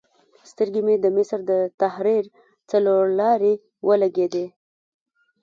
سترګې مې د مصر د تحریر څلور لارې ولګېدې.